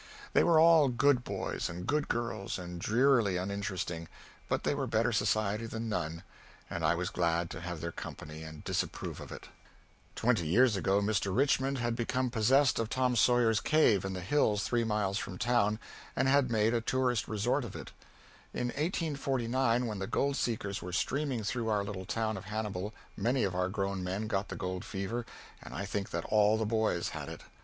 They were all good boys and good girls and drearily uninteresting, but they were better society than none, and I was glad to have their company and disapprove of it. [Sidenote: (1849.)] Twenty years ago Mr. Richmond had become possessed of Tom Sawyer's cave in the hills three miles from town, and had made a tourist resort of it. In 1849 when the gold seekers were streaming through our little town of Hannibal, many of our grown men got the gold fever, and I think that all the boys had it.